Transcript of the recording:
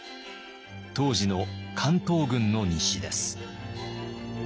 当時の関東軍の日誌です。